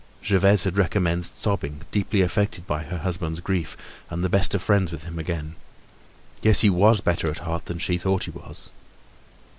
Gervaise had recommenced sobbing, deeply affected by her husband's grief, and the best of friends with him again. Yes, he was better at heart than she thought he was.